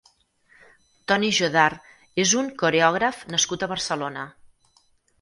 Toni Jodar és un coreògraf nascut a Barcelona.